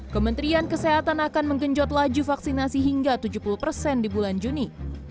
kementerian kesehatan akan menggenjot laju vaksinasi hingga tujuh puluh persen di bulan juni